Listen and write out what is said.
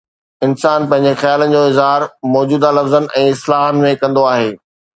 انسان پنهنجي خيالن جو اظهار موجوده لفظن ۽ اصطلاحن ۾ ڪندو آهي.